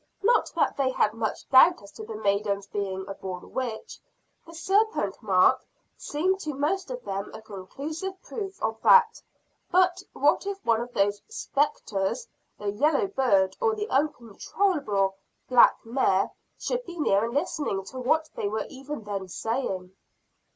Not that they had much doubt as to the maiden's being a born witch the serpent mark seemed to most of them a conclusive proof of that but what if one of those "spectres," the "yellow bird" or the uncontrollable "black mare" should be near and listening to what they were even then saying?